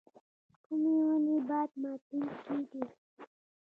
کومې ونې باد ماتوونکي دي؟